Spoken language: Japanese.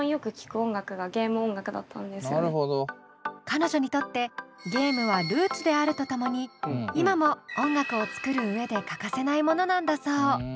彼女にとってゲームはルーツであるとともに今も音楽を作る上で欠かせないものなんだそう。